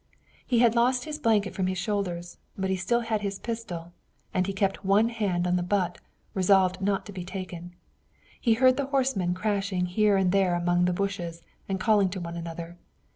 He had lost his blanket from his shoulders, but he still had his pistol, and he kept one hand on the butt, resolved not to be taken. He heard the horsemen crashing here and there among the bushes and calling to one another.